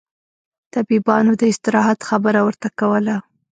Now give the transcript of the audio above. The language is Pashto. طبيبانو داستراحت خبره ورته کوله.